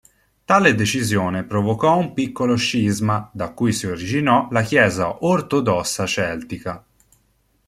Tale decisione provocò un piccolo scisma, da cui si originò la Chiesa ortodossa celtica.